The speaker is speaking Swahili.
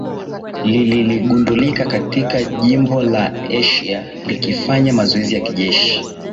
lilili gundulika katika jimbo la asia likifanya mazoezi ya kijeshi